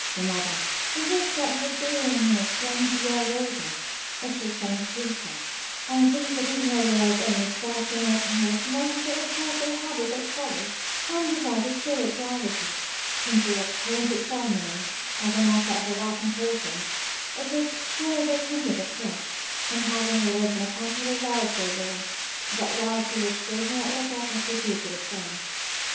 The mother, if we except her being near twenty years older, was just the same creature; and these additional years only served to make her more tenaciously adhere to her habits of folly, and decide with stupid gravity, some trivial points of ceremony, as a matter of the last importance; of which she was a competent judge, from having lived in the fashionable world so long: that world to which the ignorant look up as we do to the sun.